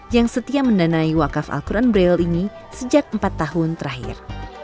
yang setia mendanai wakaf al quran braille ini sejak empat tahun terakhir